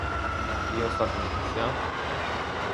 I ostatnia kwestia